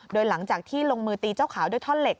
โดยหลังจากที่ลงมือตีเจ้าขาวด้วยท่อนเห็